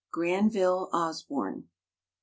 GRANVILLE OSBORNE. I.